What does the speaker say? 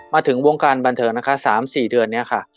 มาถึงวงการบันเทิงนะคะ๓๔เดือนนี้ค่ะ